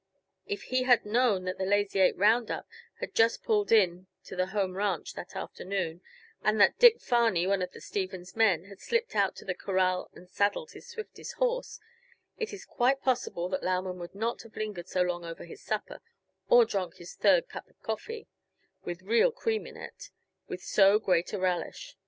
If he had known that the Lazy Eight roundup had just pulled in to the home ranch that afternoon, and that Dick Farney, one of the Stevens men, had slipped out to the corral and saddled his swiftest horse, it is quite possible that Lauman would not have lingered so long over his supper, or drank his third cup of coffee with real cream in it with so great a relish.